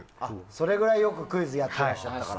それくらいよくクイズやってらっしゃったから。